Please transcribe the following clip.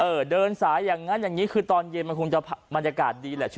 เดินสายอย่างนั้นอย่างนี้คือตอนเย็นมันคงจะบรรยากาศดีแหละใช่ไหม